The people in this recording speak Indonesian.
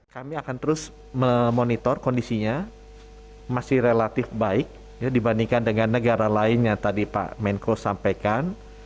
kami akan terus memonitor kondisinya masih relatif baik dibandingkan dengan negara lain yang tadi pak menko sampaikan